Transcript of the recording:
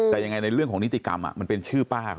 แต่ยังไงในเรื่องของนิติกรรมมันเป็นชื่อป้าเขา